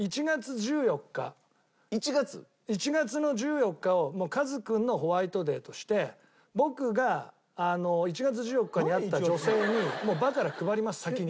１月の１４日をカズくんのホワイトデーとして僕が１月１４日に会った女性にバカラ配ります先に。